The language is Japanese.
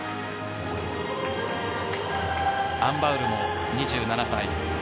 アン・バウルも２７歳。